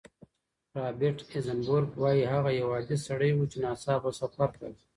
رابرټ ایزنبرګ وايي، هغه یو عادي سړی و چې ناڅاپه سفر پیل کړ.